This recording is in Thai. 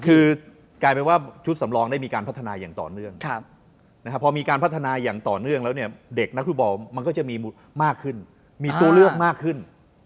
คือกลายเป็นว่าชุดสำรองได้มีการพัฒนาอย่างต่อเนื่องพอมีการพัฒนาอย่างต่อเนื่องแล้วเนี่ยเด็กนักฟุตบอลมันก็จะมีมากขึ้นมีตัวเลือกมากขึ้น